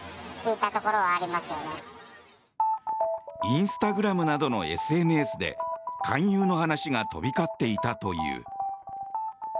インスタグラムなどのＳＮＳで勧誘の話が飛び交っていたという。